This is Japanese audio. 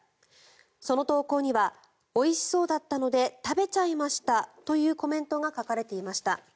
その投稿にはおいしそうだったので食べちゃいましたというコメントが書かれていました。